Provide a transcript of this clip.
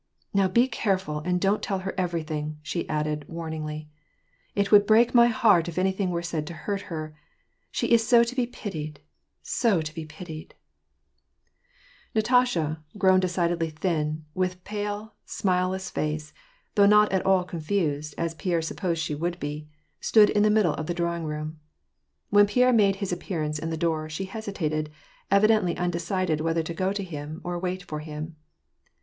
Now be careful, and don't tell her everything," she added, wamingly. "It would break my heart if anything wei e said to hurt her ; she is so to be pitied, so to be pitied !Natasha, grown decidedly thin, and with pale, smileless face — though not at all confused, as Pierre supposed she would be — stood in the middle of the drawing room. Wh* Pierre made his appearance in the door, she hesitated, ev dently undecided whether to go to him or wait for him.